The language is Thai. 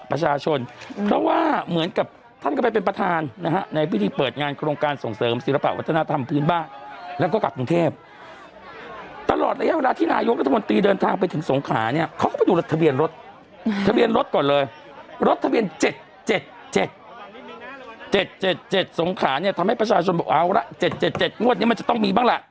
เราจะเห็นแต่ลองหัวหน้าผักแบบนี้เพราะมี